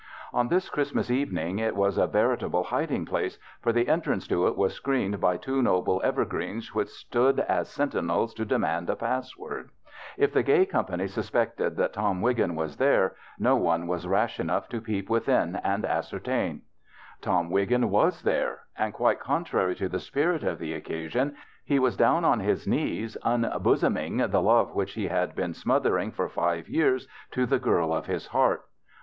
On this Christmas evening it was a veritable hiding place, for the entrance to it Avas screened by two noble evergreens which stood as sentinels to demand a pass word. If the gay company suspected that Tom Wiggin was there, no one was rash enough to peep within and ascertain. Tom Wiggin loas there, and quite contrary to the spirit of the occasion, he was down on his knees unbosoming the love which he had been smothering for five years to the girl of his heart.